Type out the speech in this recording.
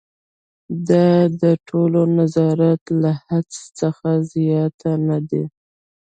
خو دا ټول نظریات له حدس څخه زیات نه دي.